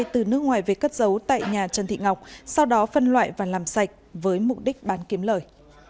từ nước ngoài về cất giấu tại nhà trần thị ngọc sau đó phân loại và làm sạch với mục đích bán kiếm lời